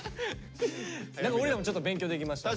何か俺らもちょっと勉強できましたね。